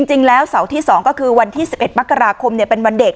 เสาร์ที่๒ก็คือวันที่๑๑มกราคมเป็นวันเด็ก